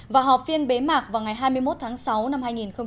và họp phiên bế mạc vào ngày hai mươi một tháng sáu năm hai nghìn một mươi bảy